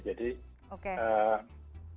jadi kita harus berpikir pikir